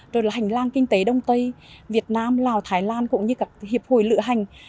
rồi là hành lang kinh tế đông tây việt nam lào thái lan cũng như các hiệp hội lựa hành